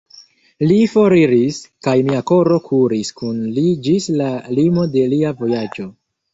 Li foriris, kaj mia koro kuris kun li ĝis la limo de lia vojaĝo.